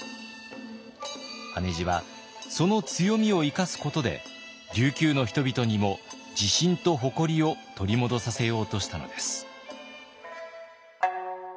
羽地はその強みを生かすことで琉球の人々にも自信と誇りを取り戻させようとしたのです。